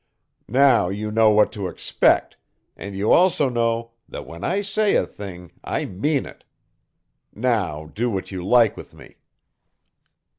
"Now you know what to expect, and you also know that when I say a thing I mean it. Now do what you like with me."